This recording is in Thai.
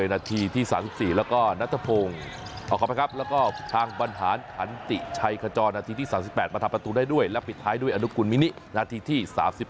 นัดที่ที่๓๘มาถามประตูได้ด้วยและปิดท้ายด้วยอนุคุณมินินัดที่ที่๓๘